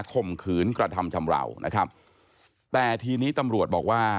ข่มขืนกระทำชำราวนะครับแต่ทีนี้ตำรวจบอกว่า